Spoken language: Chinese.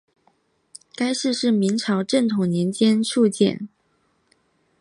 该寺是明朝正统年间敕建。